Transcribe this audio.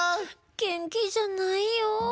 げんきじゃないよ。